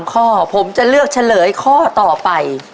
ข้อผมจะเลือกเฉลยข้อต่อไป